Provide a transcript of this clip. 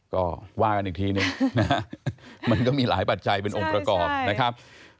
ก็ว่ากันอีกทีหนึ่งนะฮะมันก็มีหลายปัจจัยเป็นองค์ประกอบนะครับ